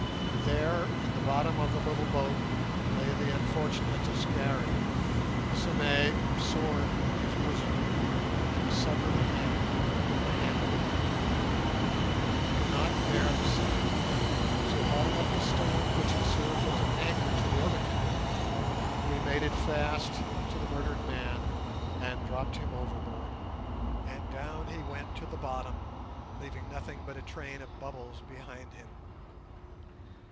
There in the bottom of the little boat lay the unfortunate Askari, the sime, or sword, in his bosom, and the severed hand gripping the handle. I could not bear the sight, so hauling up the stone which had served as an anchor to the other canoe, we made it fast to the murdered man and dropped him overboard, and down he went to the bottom, leaving nothing but a train of bubbles behind him.